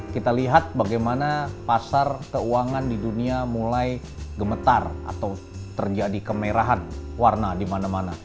kita lihat bagaimana pasar keuangan di dunia mulai gemetar atau terjadi kemerahan warna di mana mana